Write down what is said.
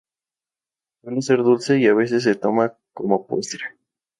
Suele ser dulce y a veces se toma como postre.